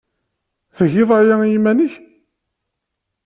Tgiḍ aya i yiman-nnek?